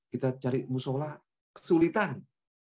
kita cari musola kesulitan